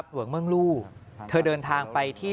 เหว็งเม่งรูเธอเดินทางไปที่